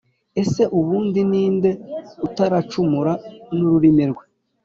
ese ubundi ni nde utaracumura n’ururimi rwe?